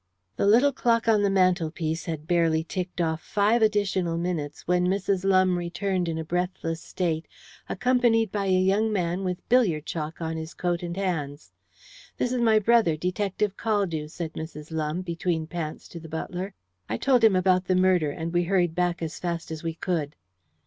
The little clock on the mantelpiece had barely ticked off five additional minutes when Mrs. Lumbe returned in a breathless state, accompanied by a young man with billiard chalk on his coat and hands. "This is my brother, Detective Caldew," said Mrs. Lumbe, between pants, to the butler. "I told him about the murder, and we hurried back as fast as we could."